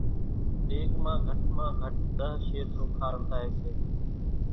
ۮيڳ مان گھٽ مان گھٽ ۮۿ شير سوکا رنڌائيَ سي۔